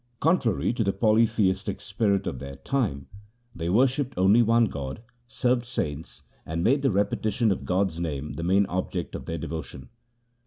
Contrary to the polytheistic spirit of their time, they worshipped only one God, served saints, and made the repetition of God's name the main object of their devotion.